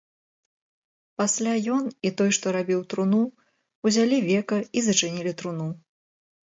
Пасля ён і той, што рабіў труну, узялі века і зачынілі труну.